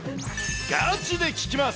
ガチで聞きます。